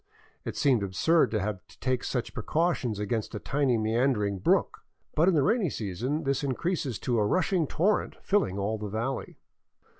It seemed absurd to have to take such precautions against a tiny meander ing brook, but in the rainy season this increases to a rushing torrent filling all the valley.